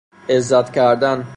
عزت کردن